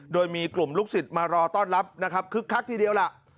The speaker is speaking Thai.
โดยมีกลุ่มลูกศิษย์มารอต้อนรับนะครับคึกคักทีเดียวล่ะ